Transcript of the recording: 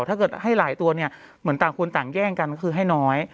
ถ้าเกิดให้หลายตัวเนี่ยเหมือนต่างคนต่างแย่งกันคือให้น้อย